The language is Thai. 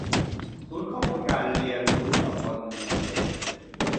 ศูนย์ข้อมูลการเรียนรู้ตำบลลีเล็ด